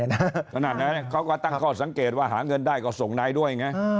ขนาดนั้นเขาก็ตั้งข้อสังเกตว่าหาเงินได้ก็ส่งนายด้วยไง